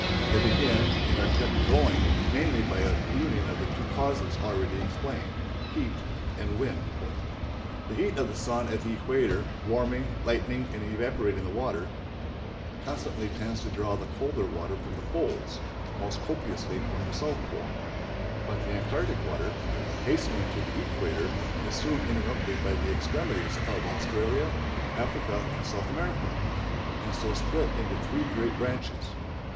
They begin and are kept going mainly by a union of the two causes already explained—heat and wind. [Illustration: A STEAMER BORNE ASHORE BY AN EARTHQUAKE WAVE.] The heat of the sun at the equator, warming, lightening, and evaporating the water, constantly tends to draw the colder water from the poles, most copiously from the South Pole; but the Antarctic water, hastening to the equator, is soon interrupted by the extremities of Australia, Africa, and South America, and so split into three great branches.